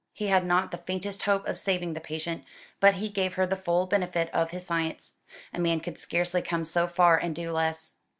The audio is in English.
He had not the faintest hope of saving the patient, but he gave her the full benefit of his science. A man could scarcely come so far and do less.